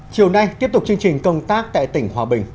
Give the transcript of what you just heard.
chiều nay tiếp tục chương trình công tác tại tỉnh hòa bình